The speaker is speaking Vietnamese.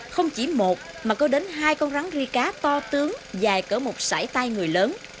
không chỉ một mà có đến hai con rắn ri cá to tướng dài cỡ một sải tay người lớn